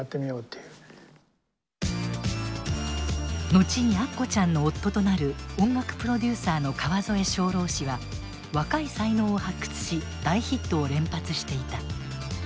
後にアッコちゃんの夫となる音楽プロデューサーの川添象郎氏は若い才能を発掘し大ヒットを連発していた。